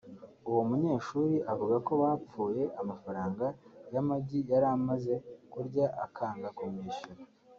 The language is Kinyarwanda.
uwo munyeshuri avuga ko bapfuye amafaranga y’amagi yari amaze kurya akanga kumwishyura